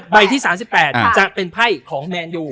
ที่๓๘จะเป็นไพ่ของแมนยู